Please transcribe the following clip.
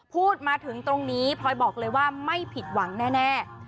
พูดมาถึงตรงนี้พลอยบอกเลยว่าไม่ผิดหวังแน่